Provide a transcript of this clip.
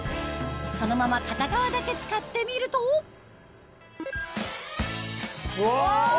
そのまま片側だけ使ってみるとうわ！